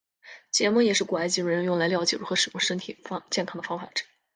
解梦也是古埃及人用来瞭解如何使身体健康的方法之一。